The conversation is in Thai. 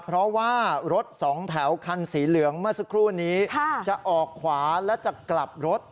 เพราะว่ารถสองแถวคันสีเหลืองเมื่อสักครู่นี้จะออกขวาและจะกลับรถ